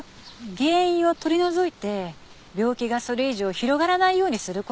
原因を取り除いて病気がそれ以上広がらないようにする事はできる。